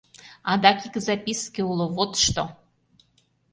Адак ик записке уло, вот што!..